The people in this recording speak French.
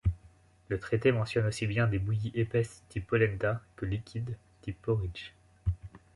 Le traité mentionne aussi bien des bouillies épaisses type polenta que liquide type porridge.